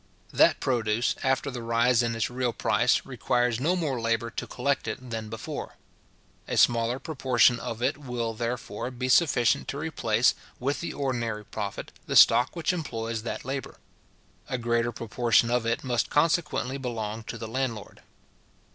That produce, after the rise in its real price, requires no more labour to collect it than before. A smaller proportion of it will, therefore, be sufficient to replace, with the ordinary profit, the stock which employs that labour. A greater proportion of it must consequently belong to the landlord.